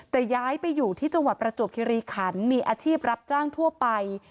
แต่ย้ายไปอยู่ที่จังหวัดประจวบคิริขันมีอาชีพรับจ้างทั่วไป